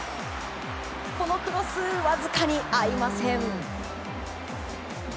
このクロスはわずかに合いません。